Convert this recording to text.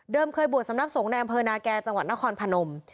เคยบวชสำนักสงฆ์ในอำเภอนาแก่จังหวัดนครพนม